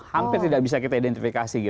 hampir tidak bisa kita identifikasi